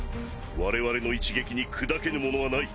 我々の一撃に砕けぬものはない。